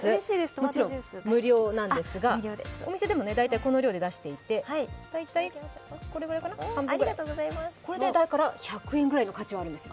もちろん無料なんですが、お店でも大体この量で出していて大体、これぐらいかな半分ぐらい、これで１００円くらいの価値があるんです。